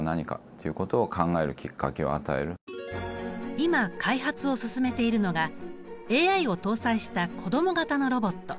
今開発を進めているのがＡＩを搭載した子供型のロボット。